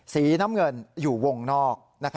สีน้ำเงินอยู่วงนอก